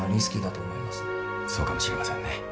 そうかもしれませんね。